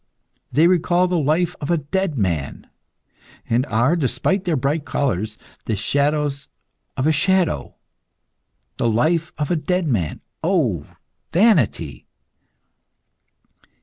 They recall the life of a dead man, and are, despite their bright colours, the shadows of a shadow. The life of a dead man! O vanity!"